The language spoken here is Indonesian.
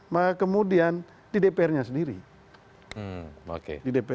maka kemudian di dpr nya sendiri